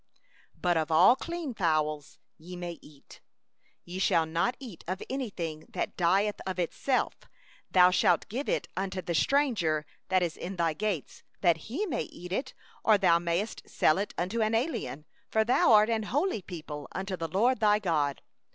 20Of all clean winged things ye may eat. 21Ye shall not eat of any thing that dieth of itself; thou mayest give it unto the stranger that is within thy gates, that he may eat it; or thou mayest sell it unto a foreigner; for thou art a holy people unto the LORD thy God.